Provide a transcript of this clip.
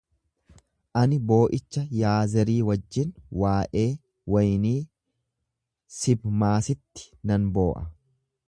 Ani boo'icha Yaazerii wajjin waa'ee waynii Sibmaasitti nan boo'a.